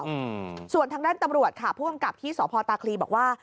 อืมส่วนทางด้านตำรวจค่ะผู้กำกับที่สพตาคลีบอกว่า